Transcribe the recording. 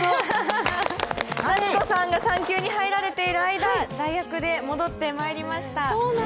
夏子さんが産休に入られている間、代役で戻ってまいりました。